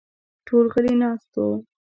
ټول غلي ناست وو.